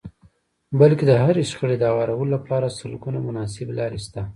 بلکې د هرې شخړې د هوارولو لپاره سلګونه مناسبې لارې شته.